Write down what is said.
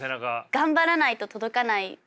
頑張らないと届かないところで。